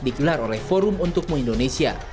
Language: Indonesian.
dikelar oleh forum untuk moe indonesia